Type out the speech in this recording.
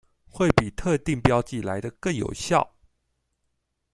會比特定標記來得更有效